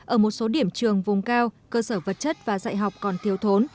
ở một số điểm trường vùng cao cơ sở vật chất và dạy học còn thiếu thốn